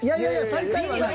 最下位はない。